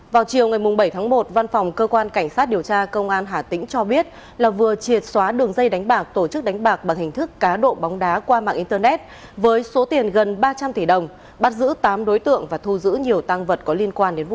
vào chiều ngày bảy tháng một văn phòng cơ quan cảnh sát điều tra công an hà tĩnh cho biết là vừa triệt xóa đường dây đánh bạc tổ chức đánh bạc bằng hình thức cá độ bóng đá qua mạng internet với số tiền gần ba trăm linh tỷ đồng bắt giữ tám đối tượng và thu giữ nhiều tăng vật có liên quan đến vụ án